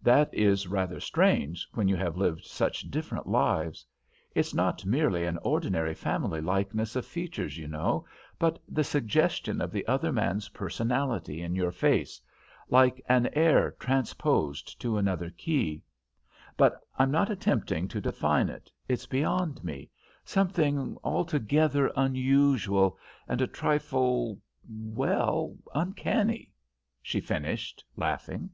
That is rather strange, when you have lived such different lives. It's not merely an ordinary family likeness of features, you know, but the suggestion of the other man's personality in your face like an air transposed to another key. But I'm not attempting to define it; it's beyond me; something altogether unusual and a trifle well, uncanny," she finished, laughing.